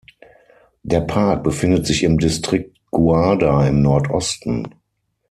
Der Park befindet sich im Distrikt Guarda im Nordosten.